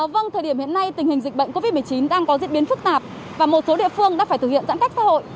vâng thời điểm hiện nay tình hình dịch bệnh covid một mươi chín đang có diễn biến phức tạp và một số địa phương đã phải thực hiện giãn cách xã hội